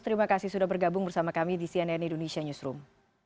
terima kasih sudah bergabung bersama kami di cnn indonesia newsroom